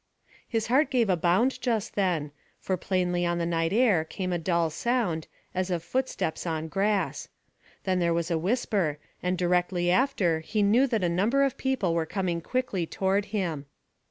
His heart gave a bound just then, for plainly on the night air came a dull sound, as of footsteps on grass. Then there was a whisper, and directly after he knew that a number of people were coming quickly toward him.